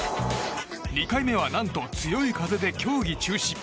２回目は何と強い風で競技中止。